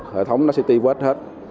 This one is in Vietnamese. hệ thống nó sẽ tiết quét hết